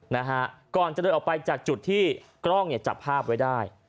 นะฮะก่อนจะเดินออกไปจากจุดที่กล้องเนี่ยจับภาพไว้ได้